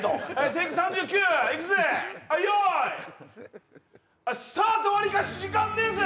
テイク３９はいいくぜ用意スタートわりかし時間ねえぜ！